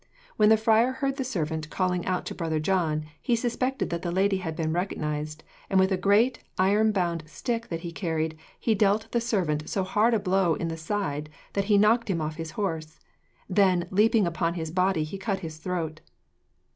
When the friar heard the servant calling out to Brother John, he suspected that the lady had been recognised, and with a great, iron bound stick that he carried, he dealt the servant so hard a blow in the side that he knocked him off his horse. Then, leaping upon his body, he cut his throat.